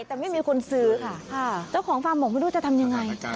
แต่ไม่มีคนซื้อค่ะเจ้าของฟาร์มบอกไม่รู้จะทำยังไง